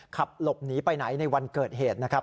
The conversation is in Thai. ขับหลบหนีไปไหนในวันเกิดเหตุนะครับ